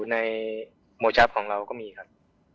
ในโมชาปของเราก็มีครับ